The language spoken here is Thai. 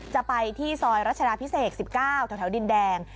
จะไปที่ซอยรัชดาพิเศษ๑๙แถวดินแดง